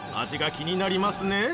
味が気になりますね。